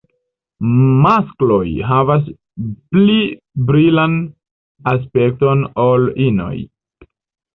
Maskloj havas pli brilan aspekton ol inoj.